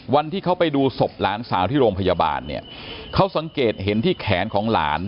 วันที่เขาไปดูศพหลานสาวที่โรงพยาบาลเนี่ยเขาสังเกตเห็นที่แขนของหลาน